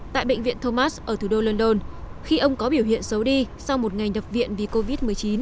tại bệnh viện thomas ở thủ đô london khi ông có biểu hiện xấu đi sau một ngày đập viện vì covid một mươi chín